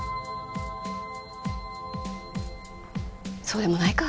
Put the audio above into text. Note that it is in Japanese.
そうでもないか。